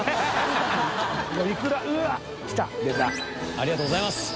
ありがとうございます。